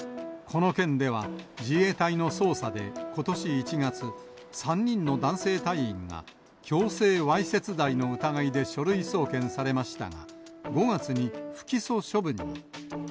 この件では、自衛隊の捜査でことし１月、３人の男性隊員が、強制わいせつ罪の疑いで書類送検されましたが、５月に不起訴処分に。